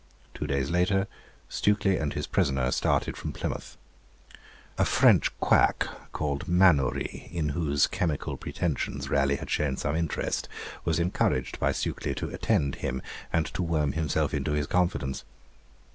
Two days later, Stukely and his prisoner started from Plymouth. A French quack, called Mannourie, in whose chemical pretensions Raleigh had shown some interest, was encouraged by Stukely to attend him, and to worm himself into his confidence.